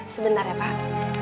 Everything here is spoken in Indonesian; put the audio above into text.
sebentar ya pak